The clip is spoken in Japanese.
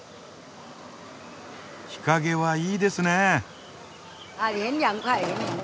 日陰はいいですね。